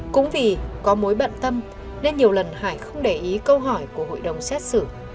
cũng vì có mối bận tâm nên nhiều lần hải không để ý câu hỏi của hội đồng xét xử